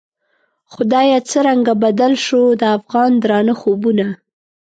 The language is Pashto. خدایه څرنګه بدل شوو، د افغان درانه خوبونه